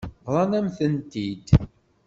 Bḍan-am-tent-id.